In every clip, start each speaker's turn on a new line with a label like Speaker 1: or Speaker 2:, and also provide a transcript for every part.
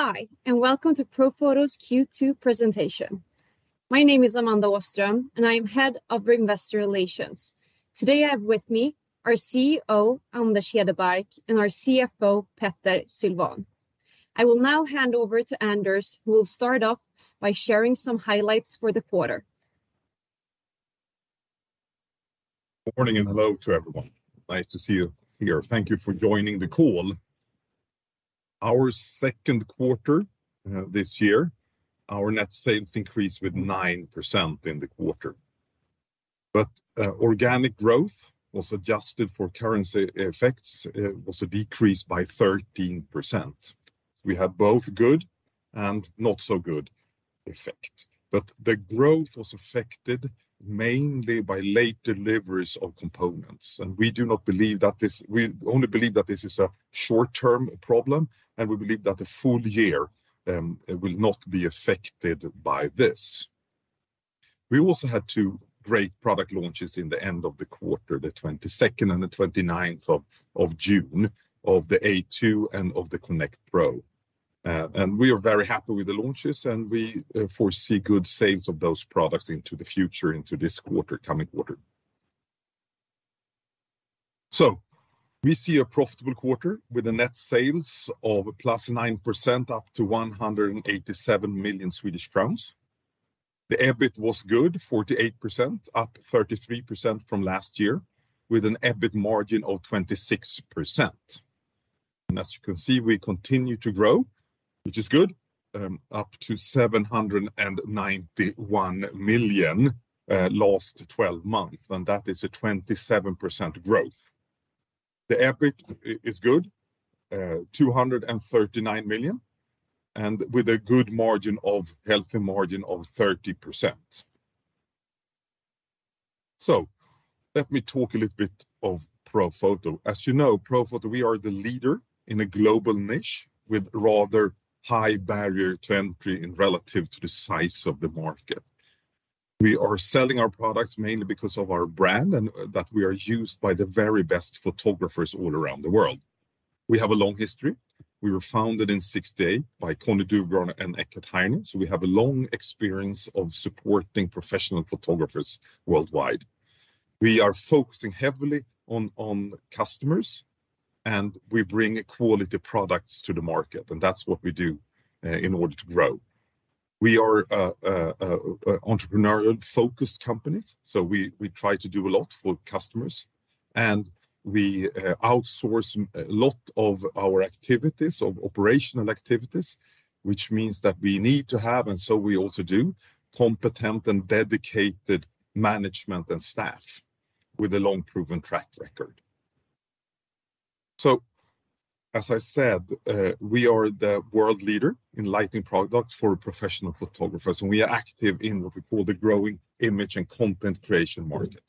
Speaker 1: Hi, and welcome to Profoto's Q2 Presentation. My name is Amanda Åström, and I'm Head of Investor Relations. Today I have with me our CEO, Anders Hedebark, and our CFO, Petter Sylvan. I will now hand over to Anders, who will start off by sharing some highlights for the quarter.
Speaker 2: Morning and hello to everyone. Nice to see you here. Thank you for joining the call. Our second quarter this year, our net sales increased with 9% in the quarter. Organic growth adjusted for currency effects, it was a decrease by 13%. We had both good and not so good effect. The growth was affected mainly by late deliveries of components, and we do not believe that this. We only believe that this is a short-term problem, and we believe that the full year will not be affected by this. We also had two great product launches in the end of the quarter, the 22nd and the 29th of June, of the A2 and of the Connect Pro. We are very happy with the launches, and we foresee good sales of those products into the future, into this quarter, coming quarter. We see a profitable quarter with the net sales of +9% up to 187 million Swedish crowns. The EBIT was good, 48%, up 33% from last year, with an EBIT margin of 26%. As you can see, we continue to grow, which is good, up to 791 million last 12 months, and that is a 27% growth. The EBIT is good, 239 million, and with a good margin of, healthy margin of 30%. Let me talk a little bit of Profoto. As you know, Profoto, we are the leader in a global niche with rather high barrier to entry in relation to the size of the market. We are selling our products mainly because of our brand and that we are used by the very best photographers all around the world. We have a long history. We were founded in 1960 by Conny Dufgran and Eckhard Heine, so we have a long experience of supporting professional photographers worldwide. We are focusing heavily on customers, and we bring quality products to the market, and that's what we do in order to grow. We are entrepreneurial-focused company, so we try to do a lot for customers, and we outsource a lot of our activities of operational activities, which means that we need to have competent and dedicated management and staff with a long-proven track record. As I said, we are the world leader in lighting products for professional photographers, and we are active in what we call the growing image and content creation market.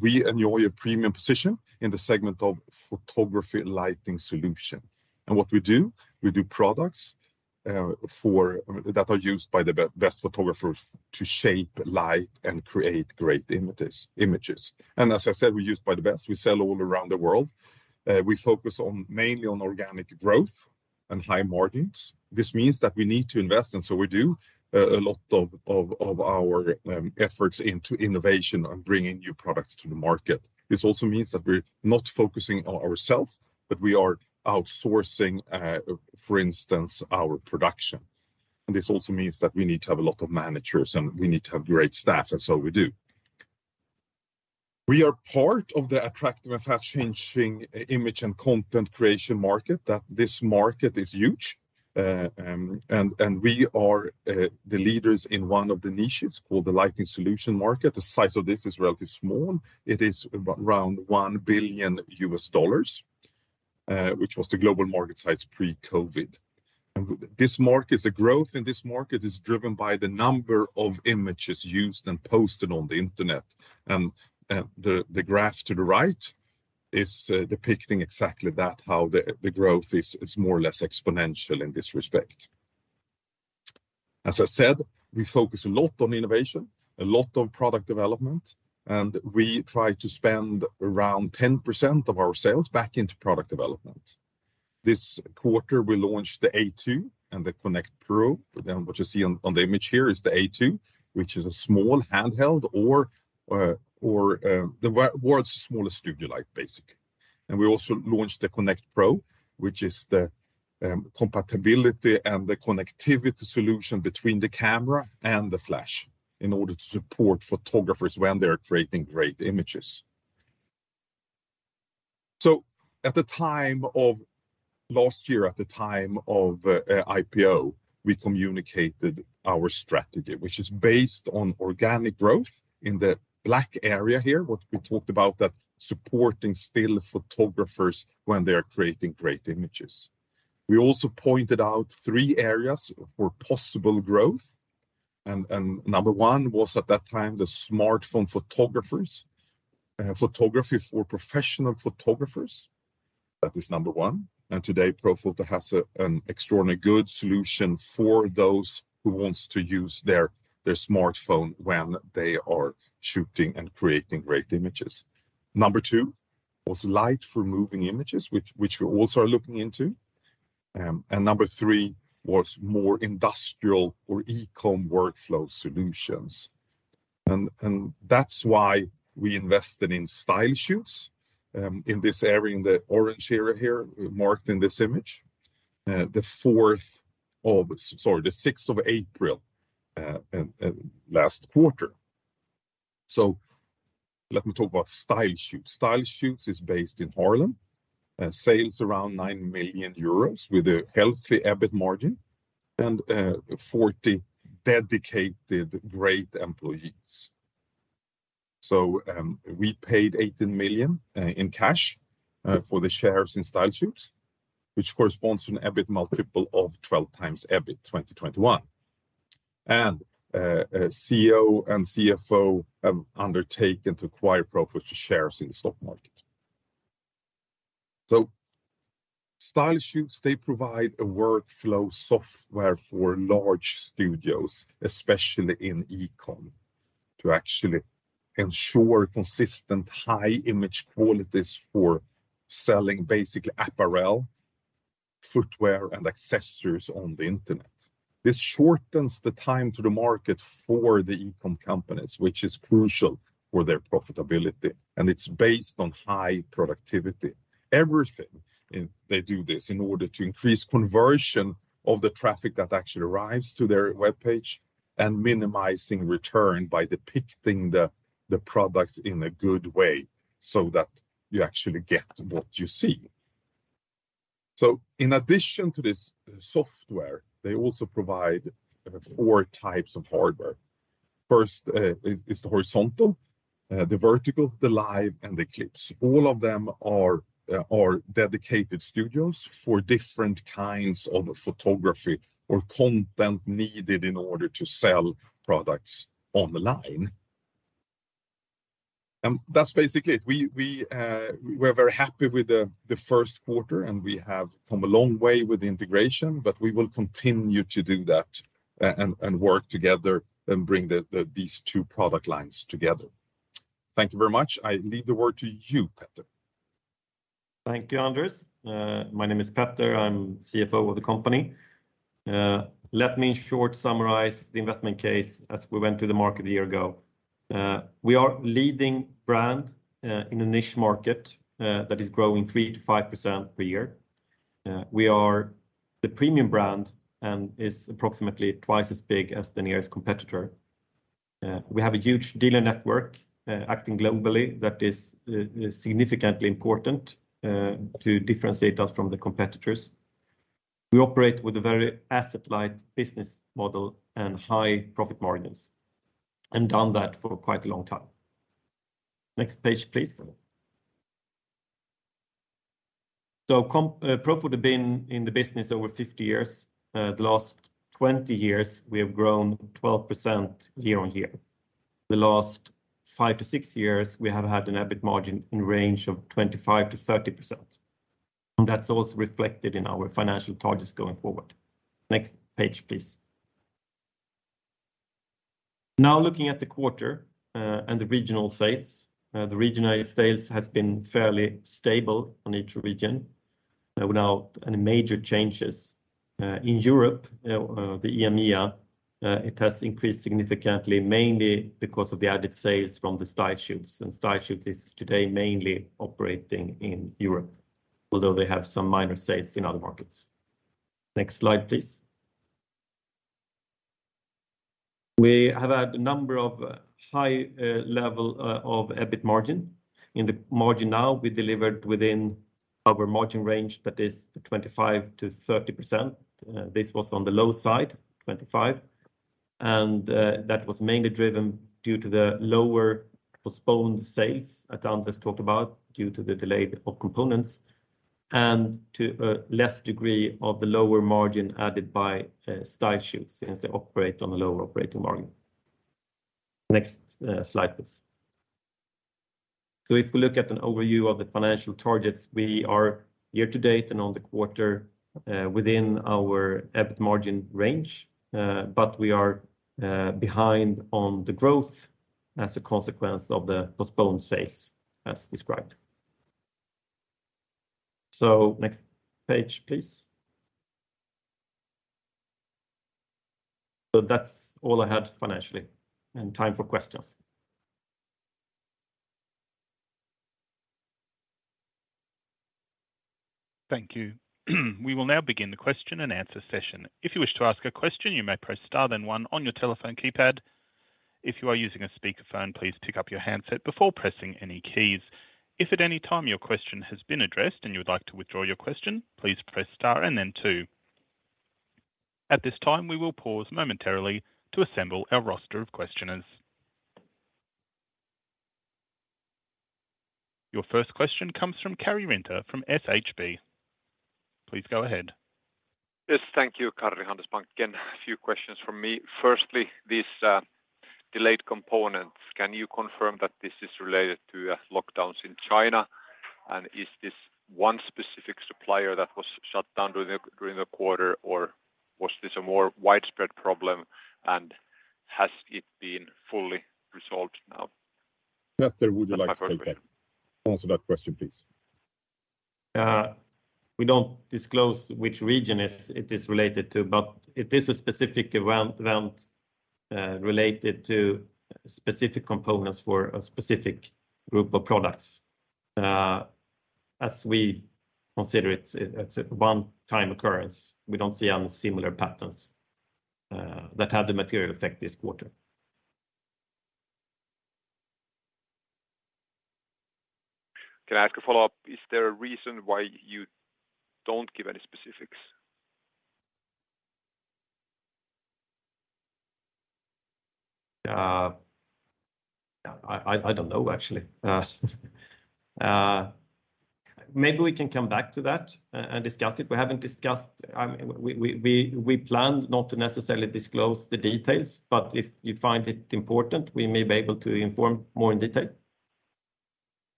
Speaker 2: We enjoy a premium position in the segment of photography lighting solution. What we do, we do products that are used by the best photographers to shape light and create great images. As I said, we're used by the best. We sell all around the world. We focus mainly on organic growth and high margins. This means that we need to invest, and so we do a lot of our efforts into innovation and bringing new products to the market. This also means that we're not focusing on ourselves, but we are outsourcing, for instance, our production. This also means that we need to have a lot of managers, and we need to have great staff, and so we do. We are part of the attractive and fast-changing image and content creation market. That this market is huge. We are the leaders in one of the niches called the lighting solution market. The size of this is relatively small. It is around $1 billion, which was the global market size pre-COVID. This market, the growth in this market is driven by the number of images used and posted on the internet. The graph to the right is depicting exactly that, how the growth is more or less exponential in this respect. As I said, we focus a lot on innovation, a lot on product development, and we try to spend around 10% of our sales back into product development. This quarter, we launched the A2 and the Connect Pro. What you see on the image here is the A2, which is a small handheld or the world's smallest studio light, basically. We also launched the Connect Pro, which is the compatibility and the connectivity solution between the camera and the flash in order to support photographers when they're creating great images. At the time of last year, at the time of IPO, we communicated our strategy, which is based on organic growth in the black area here, what we talked about that supporting still photographers when they are creating great images. We also pointed out three areas for possible growth, and number one was at that time the smartphone photographers, photography for professional photographers. That is number one. Today, Profoto has an extraordinary good solution for those who wants to use their smartphone when they are shooting and creating great images. Number two was light for moving images, which we also are looking into. Number three was more industrial or e-com workflow solutions. That's why we invested in StyleShoots, in this area, in the orange area here marked in this image. Sorry, the 6th of April in last quarter. Let me talk about StyleShoots. StyleShoots is based in Haarlem, sales around 9 million euros with a healthy EBIT margin and 40 dedicated great employees. We paid 18 million in cash.
Speaker 3: Mm
Speaker 2: for the shares in StyleShoots, which corresponds to an EBIT multiple of 12x EBIT 2021. CEO and CFO have undertaken to acquire Profoto shares in the stock market. StyleShoots, they provide a workflow software for large studios, especially in e-com, to actually ensure consistent high image qualities for selling basically apparel, footwear, and accessories on the internet. This shortens the time to the market for the e-com companies, which is crucial for their profitability, and it's based on high productivity. They do this in order to increase conversion of the traffic that actually arrives to their webpage and minimizing return by depicting the products in a good way so that you actually get what you see. In addition to this software, they also provide four types of hardware. First is the Horizontal, the Vertical, the Live, and the Eclipse. All of them are dedicated studios for different kinds of photography or content needed in order to sell products online. That's basically it. We're very happy with the first quarter, and we have come a long way with the integration, but we will continue to do that and work together and bring these two product lines together. Thank you very much. I leave the word to you, Petter.
Speaker 3: Thank you, Anders. My name is Petter. I'm CFO of the company. Let me short summarize the investment case as we went to the market a year ago. We are leading brand in a niche market that is growing 3%-5% per year. We are the premium brand and is approximately twice as big as the nearest competitor. We have a huge dealer network acting globally that is significantly important to differentiate us from the competitors. We operate with a very asset-light business model and high profit margins, and done that for quite a long time. Next page, please. Profoto been in the business over 50 years. The last 20 years, we have grown 12% year-over-year. The last five to six years, we have had an EBIT margin in range of 25%-30%, and that's also reflected in our financial targets going forward. Next page, please. Now looking at the quarter and the regional sales. The regional sales has been fairly stable on each region without any major changes. In Europe, the EMEA, it has increased significantly mainly because of the added sales from the StyleShoots, and StyleShoots is today mainly operating in Europe, although they have some minor sales in other markets. Next slide, please. We have had a number of high level of EBIT margin. In the margin now, we delivered within our margin range that is 25%-30%. This was on the low side, 25%, and that was mainly driven due to the lower postponed sales that Anders talked about due to the delay of components and to a less degree of the lower margin added by StyleShoots as they operate on a lower operating margin. Next, slide, please. If we look at an overview of the financial targets, we are year to date and on the quarter within our EBIT margin range, but we are behind on the growth as a consequence of the postponed sales as described. Next page, please. That's all I had financially, and time for questions.
Speaker 4: Thank you. We will now begin the question-and-answer session. If you wish to ask a question, you may press star then one on your telephone keypad. If you are using a speakerphone, please pick up your handset before pressing any keys. If at any time your question has been addressed and you would like to withdraw your question, please press star and then two. At this time, we will pause momentarily to assemble our roster of questioners. Your first question comes from Karri Rinta from Handelsbanken. Please go ahead.
Speaker 5: Yes. Thank you, Karri, from Handelsbanken. Again, a few questions from me. First, these delayed components, can you confirm that this is related to lockdowns in China? Is this one specific supplier that was shut down during the quarter, or was this a more widespread problem? Has it been fully resolved now?
Speaker 2: Petter, would you like to take that? Answer that question, please.
Speaker 3: We don't disclose which region it is related to, but it is a specific event around related to specific components for a specific group of products. As we consider it's a one-time occurrence. We don't see any similar patterns that had the material effect this quarter.
Speaker 5: Can I ask a follow-up? Is there a reason why you don't give any specifics?
Speaker 3: I don't know, actually. Maybe we can come back to that and discuss it. We haven't discussed. I mean, we planned not to necessarily disclose the details, but if you find it important, we may be able to inform more in detail.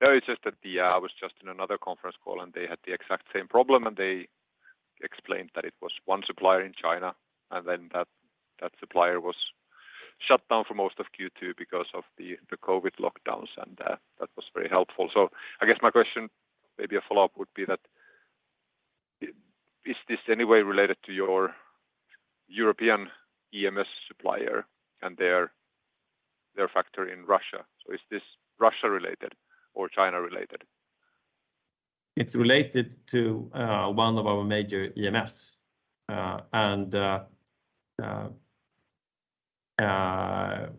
Speaker 5: No, it's just that I was just in another conference call, and they had the exact same problem, and they explained that it was one supplier in China, and then that supplier was shut down for most of Q2 because of the COVID lockdowns, and that was very helpful. I guess my question, maybe a follow-up, would be is this in any way related to your European EMS supplier and their factory in Russia? Is this Russia-related or China-related?
Speaker 3: It's related to one of our major EMSs.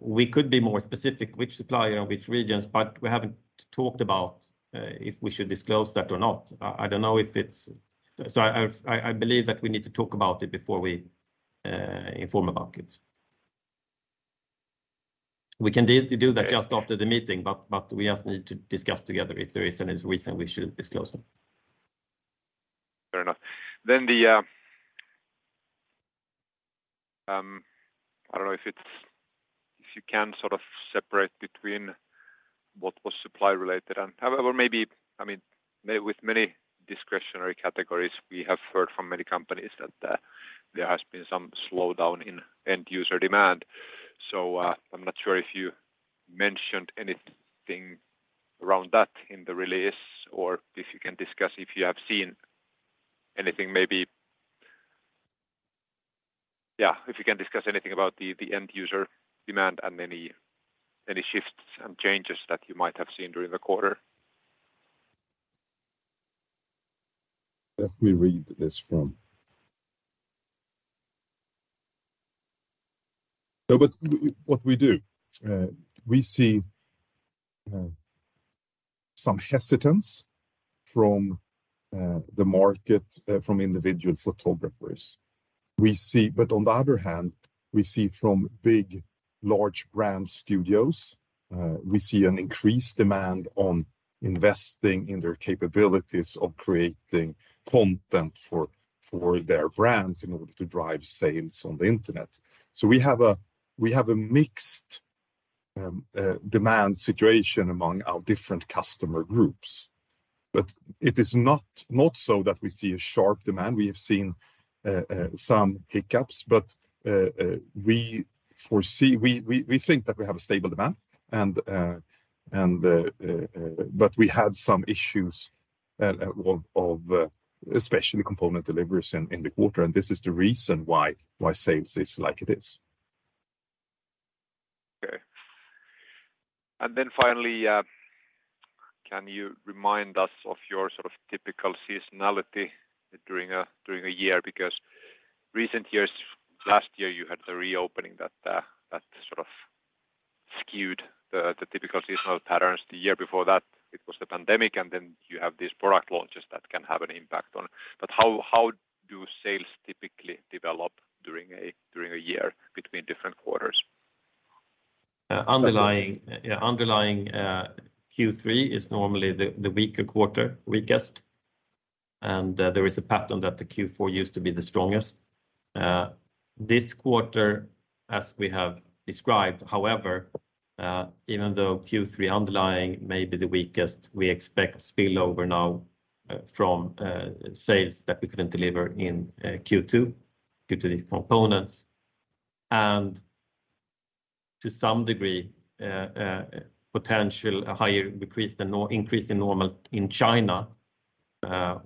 Speaker 3: We could be more specific which supplier, which regions, but we haven't talked about if we should disclose that or not. I don't know if it's. I believe that we need to talk about it before we inform about it. We can do that just after the meeting, but we just need to discuss together if there is any reason we should disclose them.
Speaker 5: Fair enough. I don't know if you can sort of separate between what was supply-related and however, maybe, I mean, with many discretionary categories, we have heard from many companies that there has been some slowdown in end user demand. I'm not sure if you mentioned anything around that in the release or if you can discuss if you have seen anything maybe. Yeah, if you can discuss anything about the end user demand and any shifts and changes that you might have seen during the quarter.
Speaker 2: What we do, we see some hesitance from the market from individual photographers. On the other hand, we see from big large brand studios an increased demand on investing in their capabilities of creating content for their brands in order to drive sales on the internet. We have a mixed demand situation among our different customer groups. It is not so that we see a sharp demand. We have seen some hiccups, but we think that we have a stable demand, but we had some issues of especially component deliveries in the quarter, and this is the reason why sales is like it is.
Speaker 5: Okay. Finally, can you remind us of your sort of typical seasonality during a year? Because recent years, last year, you had the reopening that sort of skewed the typical seasonal patterns. The year before that, it was the pandemic, and then you have these product launches that can have an impact on. How do sales typically develop during a year between different quarters?
Speaker 3: Underlying, Q3 is normally the weakest quarter, and there is a pattern that the Q4 used to be the strongest. This quarter, as we have described, however, even though Q3 underlying may be the weakest, we expect spillover now from sales that we couldn't deliver in Q2 due to the components and to some degree potential higher increase than normal in China,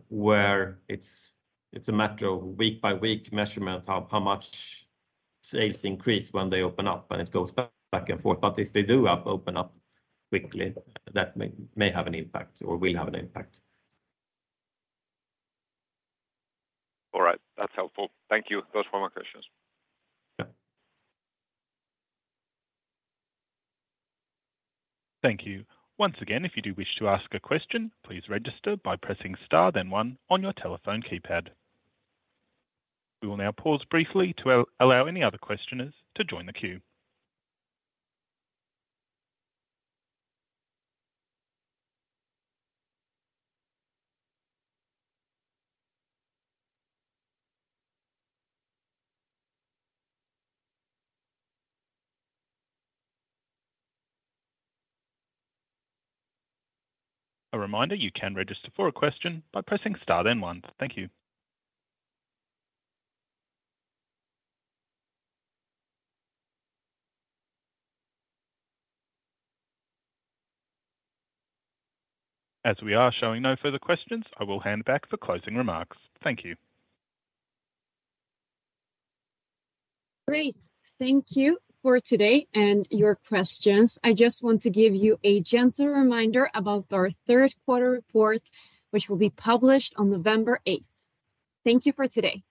Speaker 3: where it's a matter of week-by-week measurement how much sales increase when they open up, and it goes back and forth. If they do open up quickly, that may have an impact or will have an impact.
Speaker 5: All right. That's helpful. Thank you. Those were my questions.
Speaker 2: Yeah.
Speaker 4: Thank you. Once again, if you do wish to ask a question, please register by pressing star then one on your telephone keypad. We will now pause briefly to allow any other questioners to join the queue. A reminder, you can register for a question by pressing star then one. Thank you. As we are showing no further questions, I will hand back for closing remarks. Thank you.
Speaker 1: Great. Thank you for today and your questions. I just want to give you a gentle reminder about our third quarter report, which will be published on November eighth. Thank you for today.